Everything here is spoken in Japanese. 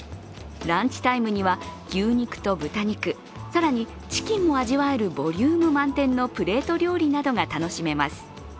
ランチタイムには牛肉と豚肉更にチキンも味わえるボリューム満点のプレート料理などが楽しめます。